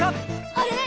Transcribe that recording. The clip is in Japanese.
あれ！